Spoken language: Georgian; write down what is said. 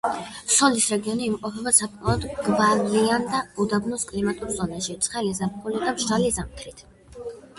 სოლის რეგიონი იმყოფება საკმაოდ გვალვიან და უდაბნოს კლიმატურ ზონაში, ცხელი ზაფხულით და მშრალი ზამთრით.